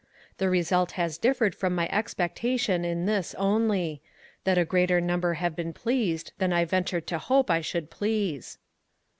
The result has differed from my expectation in this only, that a greater number have been pleased than I ventured to hope I should please.